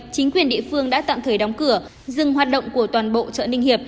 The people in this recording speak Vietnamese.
chính quyền địa phương đã tạm thời đóng cửa dừng hoạt động của toàn bộ chợ ninh hiệp